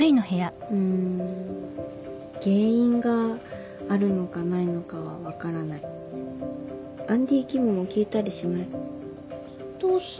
うーん原因があるのかないのかはわからないアンディキムも聞いたりしないどうして？